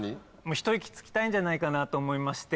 ひと息つきたいんじゃないかなと思いまして。